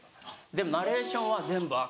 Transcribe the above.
でもうナレーションは全部赤。